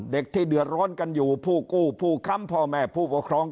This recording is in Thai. ที่เดือดร้อนกันอยู่ผู้กู้ผู้ค้ำพ่อแม่ผู้ปกครอง